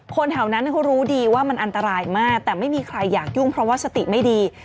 คนแถวนั้นเขารู้ดีว่ามันอันตรายมากแต่ไม่มีใครอยากยุ่งเพราะว่าสติไม่ดี